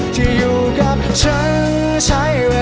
ที่อยู่กับฉันใช้เวลาด้วยกัน